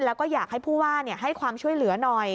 แล้วก็อยากให้ผู้ว่าให้ความช่วยเหลือหน่อย